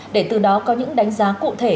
để từ đó có những đánh giá cụ thể